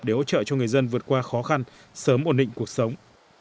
để hỗ trợ cho người dân vượt qua khó khăn sớm ổn định cuộc sống